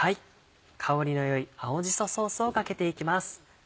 香りの良い青じそソースをかけていきます。